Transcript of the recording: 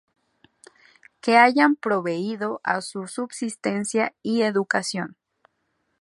Que hayan proveído a su subsistencia y educación.